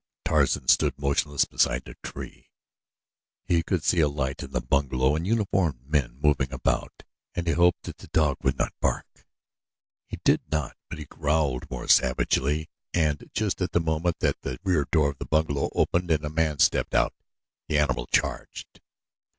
Tarzan stood motionless beside a tree. He could see a light in the bungalow and uniformed men moving about and he hoped that the dog would not bark. He did not; but he growled more savagely and, just at the moment that the rear door of the bungalow opened and a man stepped out, the animal charged.